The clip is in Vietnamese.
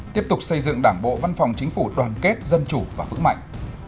tiếp tục xây dựng đảng bộ văn phòng chính phủ đoàn kết dân chủ và vững mạnh